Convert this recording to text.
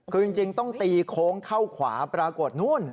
คือจริงต้องตีโค้งเข้าขวาปรากฏนู่น